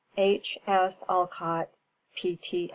H. S. OLCOTT, P.T.